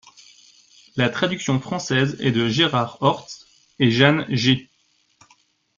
La traduction française est de Gérard Horst et Jeanne-G.